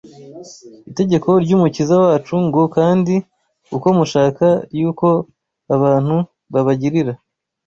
Itegeko ry’Umukiza wacu ngo kandi uko mushaka yuko abantu babagirira